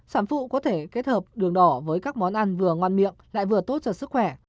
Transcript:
sản phụ có thể kết hợp đường đỏ với các món ăn vừa ngoan miệng lại vừa tốt cho sức khỏe